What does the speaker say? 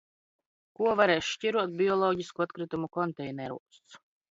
Ko varēs šķirot bioloģisko atkritumu konteineros?